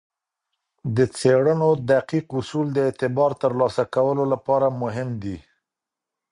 د څیړنو دقیق اصول د اعتبار ترلاسه کولو لپاره مهم دي.